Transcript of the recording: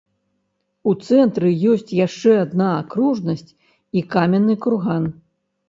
У цэнтры ёсць яшчэ адна акружнасць і каменны курган.